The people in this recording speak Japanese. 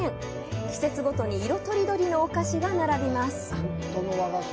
季節ごとに色とりどりのお菓子が並びます。